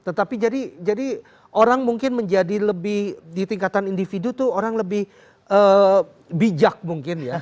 tetapi jadi orang mungkin menjadi lebih di tingkatan individu itu orang lebih bijak mungkin ya